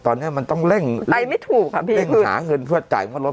ตอนนี้มันต้องเร่งเร่งหาเงินเพื่อจ่ายมารถ